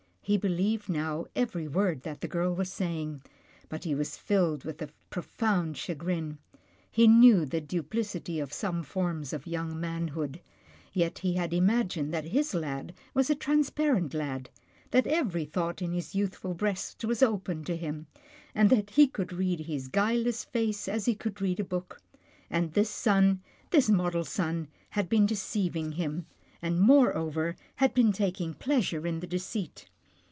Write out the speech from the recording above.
He believed now every word that the girl was say ing, but he was filled with a profound chagrin. He knew the duplicity of some forms of young man hood, yet he had imagined that his lad was a trans parent lad, that every thought in his youthful breast was open to him, and that he could read his guile less face as he could read a book — and this son, this model son, had been deceiving him, and more over had been taking pleasure in the deceit.